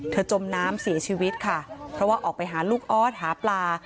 จมน้ำเสียชีวิตค่ะเพราะว่าออกไปหาลูกออสหาปลา